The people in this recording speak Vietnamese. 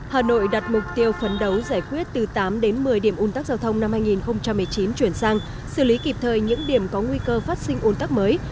hà nội đặt mục tiêu phấn đấu giải quyết từ tám đến một mươi điểm un tắc giao thông năm hai nghìn một mươi chín chuyển sang xử lý kịp thời những điểm có nguy cơ phát sinh un tắc mới